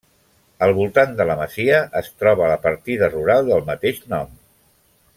Al voltant de la masia es troba la partida rural del mateix nom.